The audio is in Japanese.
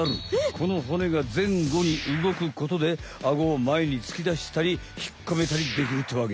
このほねがぜんごにうごくことでアゴを前に突き出したり引っ込めたりできるってわけ。